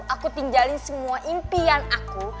aku tinggalin semua impian aku